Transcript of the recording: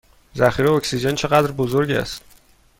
ذخیره اکسیژن چه قدر بزرگ است؟